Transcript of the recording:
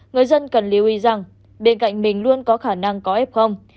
người dân cần lưu ý rằng bên cạnh mình luôn có khả năng có ép không